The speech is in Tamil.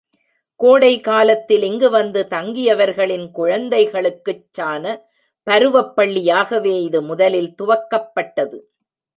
கோடைக்காலத்தில் இங்கு வந்து தங்கியவர்களின் குழந்தைகளுக் சான பருவப்பள்ளி யாகவே இது முதலில் துவக்கப்பட்டது.